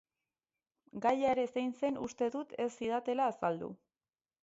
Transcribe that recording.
Gaia ere zein zen uste dut ez zidatela azaldu.